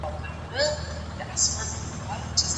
زه له بدو کارونو ځان ساتم چي عزت مي په ټولني کي وساتل سي.